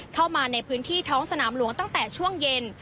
เข้ามาในพื้นที่ท้องสนามหลวงตั้งแต่ช่วงเย็น